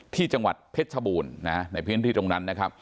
ที่จังหวัดเพชรบูรณ์ในพิธนที่ตรงนั้น